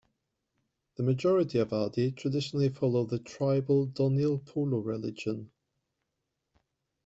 The majority of Adi traditionally follow the tribal Donyi-Polo religion.